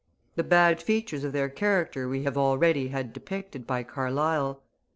The bad features of their character we have already had depicted by Carlyle.